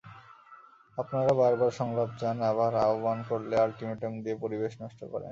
আপনারা বারবার সংলাপ চান আবার আহ্বান করলে আলটিমেটাম দিয়ে পরিবেশ নষ্ট করেন।